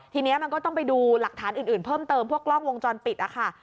ทีนี้มันก็ต้องไปดูหลักฐานอื่นเพิ่มเติมพวกกล้องวงจรปิดนะคะ